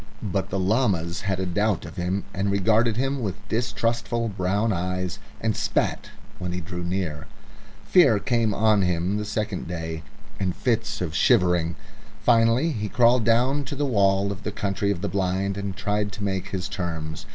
But the llamas had a doubt of him and regarded him with distrustful brown eyes, and spat when he drew near. Fear came on him the second day and fits of shivering. Finally he crawled down to the wall of the Country of the Blind and tried to make terms.